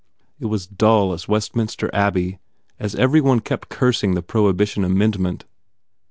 It was dull as Westminster Abbey as every one kept cursing the Prohibition amendment.